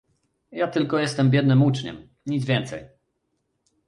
"Ja tylko jestem biednym uczniem, nic więcej."